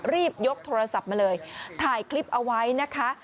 รีบยกโทรศัพท์มาเลยถ่ายคลิปเอาไว้นะคะ